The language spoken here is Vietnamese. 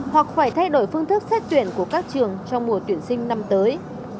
hoặc phải thay đổi phương thức xét tuyển của các trường trong mùa tuyển sinh năm tới